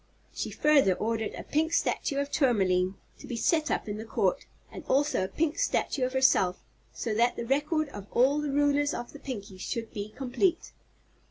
She further ordered a pink statue of Tourmaline to be set up in the Court, and also a pink statue of herself, so that the record of all the rulers of the Pinkies should be complete.